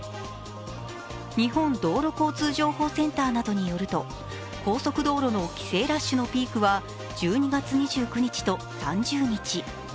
日本道路交通情報センターなどによると、高速道路の帰省ラッシュのピークは１２月２９日と３０日。